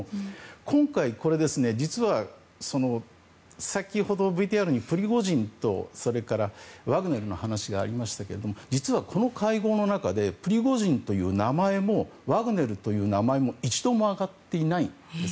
今回、実は先ほどＶＴＲにプリゴジンとワグネルの話がありましたけれども実は、この会合の中でプリゴジンという名前もワグネルという名前も一度も上がっていないんです。